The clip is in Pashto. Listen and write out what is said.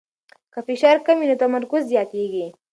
که فشار کم وي نو تمرکز زیاتېږي.